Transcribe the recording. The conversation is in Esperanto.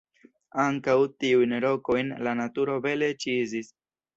Ankaŭ tiujn rokojn la naturo bele ĉizis.